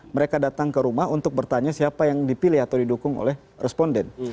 mereka datang ke rumah untuk bertanya siapa yang dipilih atau didukung oleh responden